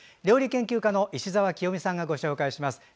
料理研究家の石澤清美さんがご紹介します。